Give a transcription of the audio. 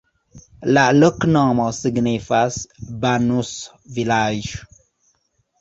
La loknomo signifas: banuso-vilaĝ'.